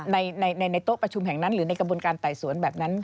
ในโต๊ะประชุมแห่งนั้นหรือในกระบวนการไต่สวนแบบนั้น